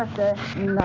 みんな。